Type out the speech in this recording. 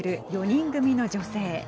４人組の女性。